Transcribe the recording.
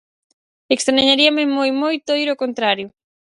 Estrañaríame moi moito oír o contrario.